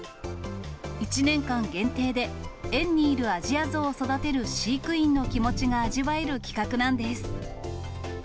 １年間限定で、園にいるアジアゾウを育てる飼育員の気持ちが味わえる企画なんです。